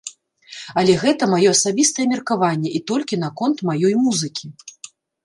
Але гэта маё асабістае меркаванне і толькі наконт маёй музыкі.